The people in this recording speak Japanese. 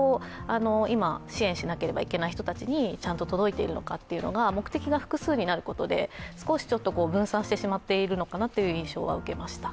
今、支援しなければいけない人たちにちゃんと届いているのか目的が複数になることで少し分散してしまっているのかなという印象は受けました。